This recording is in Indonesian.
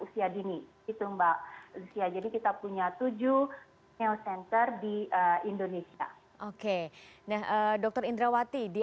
usia dini itu mbak lucia jadi kita punya tujuh sel center di indonesia oke nah dokter indrawati di